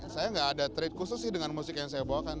saya nggak ada treat khusus sih dengan musik yang saya bawakan